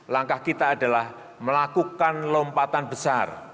langkah kita adalah melakukan lompatan besar